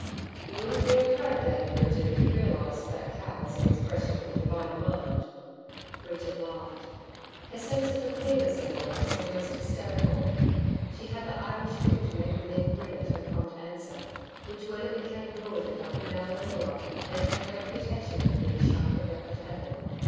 'You wouldn't be afraid, Lady Bridget, if you realised that cow as an expression of the Divine mind.' Bridget laughed. Her sense of the queerness of it all was almost hysterical. She had the Irish wit to make the men grin at her prompt answer, which when it became bruited up and down the Leura, earned her the reputation of being sharp at repartee.